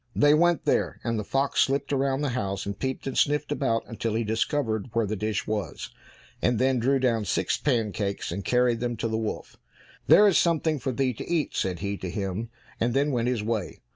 They went there, and the fox slipped round the house, and peeped and sniffed about until he discovered where the dish was, and then drew down six pancakes and carried them to the wolf. "There is something for thee to eat," said he to him, and then went his way.